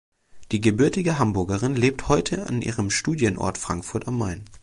Die gebürtige Hamburgerin lebt heute an ihrem Studienort Frankfurt am Main.